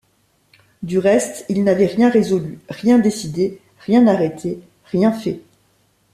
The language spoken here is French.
Du reste il n’avait rien résolu, rien décidé, rien arrêté, rien fait.